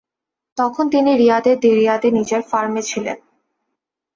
তখন তিনি রিয়াদের দিরিয়াতে নিজের ফার্মে ছিলেন।